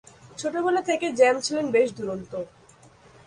ছোটবেলা থেকেই জেমস ছিলেন বেশ দুরন্ত।